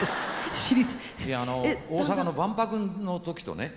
大阪の万博の時とね